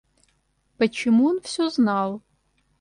Почему он всё знал?